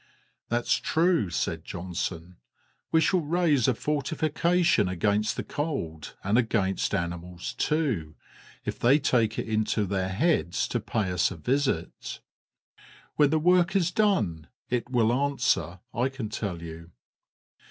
"That's true," said Johnson. "We shall raise a fortification against the cold, and against animals too, if they take it into their heads to pay us a visit; when the work is done it will answer, I can tell you.